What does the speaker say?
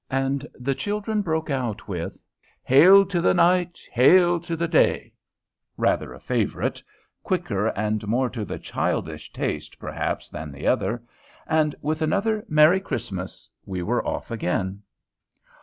And the children broke out with "Hail to the night, Hail to the day," rather a favorite, quicker and more to the childish taste perhaps than the other, and with another "Merry Christmas" we were off again.